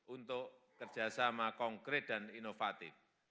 untuk kerjasama konkret dan inovatif